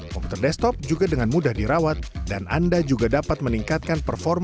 komputer desktop juga dengan mudah dirawat dan anda juga dapat meningkatkan performa